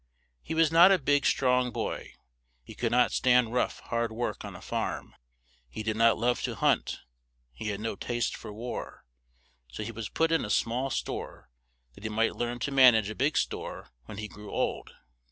He was not a big, strong boy; he could not stand rough, hard work on a farm; he did not love to hunt; he had no taste for war; so he was put in a small store, that he might learn to man age a big store when he grew old.